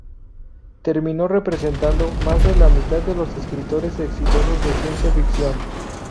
Terminó "representando más de la mitad de de los escritores exitosos de ciencia ficción".